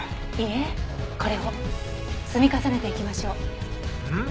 いいえこれを積み重ねていきましょう。